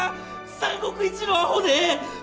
三国一のアホでえ！